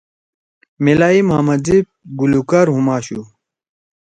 میلائی محمد زیب گلوکار ہُم آشُو۔